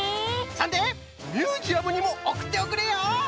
そんでミュージアムにもおくっておくれよ。